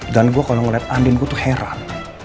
dan gue kalau ngeliat andien gue tuh heran